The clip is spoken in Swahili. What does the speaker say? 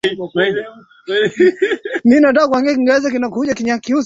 na Mungu hivyo Sheria zote ni mafafanuzi ya zile sheria kuu za Mungu yaani